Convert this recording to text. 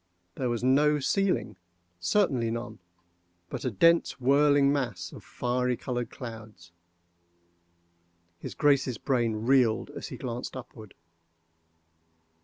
—There was no ceiling—certainly none—but a dense whirling mass of fiery colored clouds. His Grace's brain reeled as he glanced upward.